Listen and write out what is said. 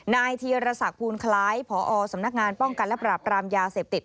นายธีรศักดิ์ภูลคล้ายพอสำนักงานป้องกันและปราบรามยาเสพติด